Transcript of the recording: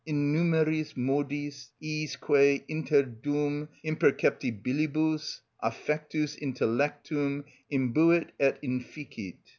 Innumeris modis, iisque interdum imperceptibilibus, affectus intellectum imbuit et inficit_ (Org. Nov., i.